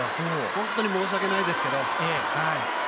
本当に申し訳ないですけど。